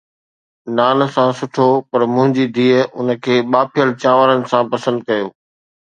نان سان سٺو پر منهنجي ڌيءَ ان کي ٻاڦيل چانورن سان پسند ڪيو